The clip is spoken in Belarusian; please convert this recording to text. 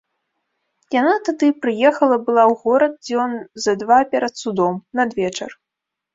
Яна тады прыехала была ў горад дзён за два перад судом, надвечар.